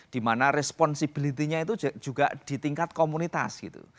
dimana responsibility nya itu juga di tingkat komunitas gitu